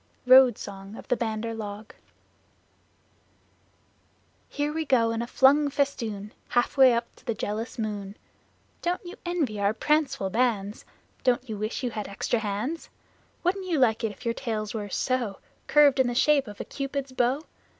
Road Song of the Bandar Log Here we go in a flung festoon, Half way up to the jealous moon! Don't you envy our pranceful bands? Don't you wish you had extra hands? Wouldn't you like if your tails were so Curved in the shape of a Cupid's bow?